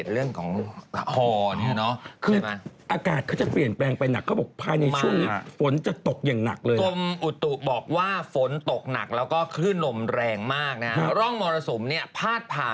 แล้วก็ขึ้นลมแรงมากนะฮะ